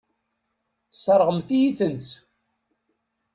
Tesseṛɣemt-iyi-tent.